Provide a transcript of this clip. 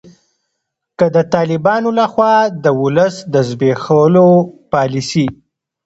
که د طالبانو لخوا د ولس د زبیښولو پالسي